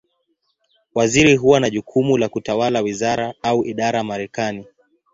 Waziri huwa na jukumu la kutawala wizara, au idara Marekani.